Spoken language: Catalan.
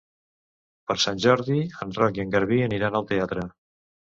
Per Sant Jordi en Roc i en Garbí aniran al teatre.